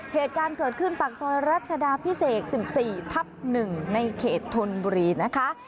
เหตุการณ์เกิดขึ้นปากซอยรัชดาพิเศษ๑๔ทับ๑ในเขตธนบุรีนะคะ